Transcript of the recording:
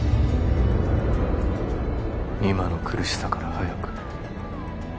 今の苦しさから早く